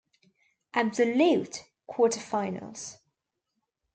Absolute: Quarter finals.